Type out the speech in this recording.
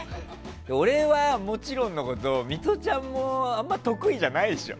俺は、もちろんのことミトちゃんもあんま得意じゃないでしょ。